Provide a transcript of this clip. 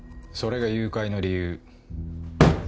それが誘拐の理由？